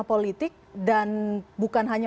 politik dan bukan hanya